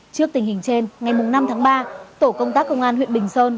trước tình hình trên ngày năm tháng ba tổ công tác công an huyện bình sơn